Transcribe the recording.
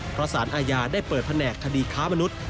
เพราะสารอาญาได้เปิดแผนกคดีค้ามนุษย์